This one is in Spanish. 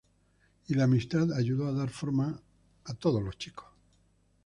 Y la amistad ayudó a dar forma a todos los chicos.